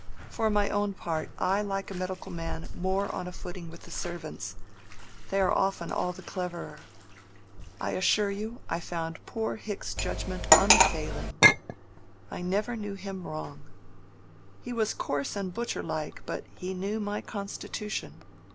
For my own part, I like a medical man more on a footing with the servants; they are often all the cleverer. I assure you I found poor Hicks's judgment unfailing; I never knew him wrong. He was coarse and butcher like, but he knew my constitution.